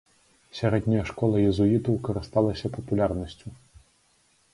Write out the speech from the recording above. Сярэдняя школа езуітаў карысталася папулярнасцю.